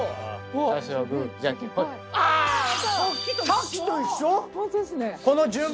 さっきと一緒⁉強っ！